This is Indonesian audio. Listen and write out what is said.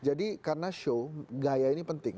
jadi karena show gaya ini penting